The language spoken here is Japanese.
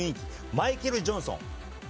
マイケル・ジョンソン。